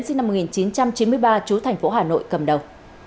sinh năm một nghìn chín trăm chín mươi ba chú thành phố hà nội cầm đầu